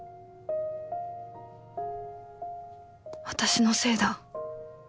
私のせいだ